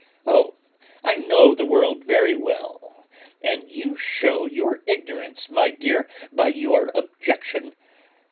Oh! I know the world very well; and you shew your ignorance, my dear, by your objection.